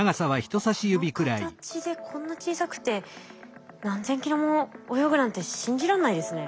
この形でこんな小さくて何千キロも泳ぐなんて信じらんないですね。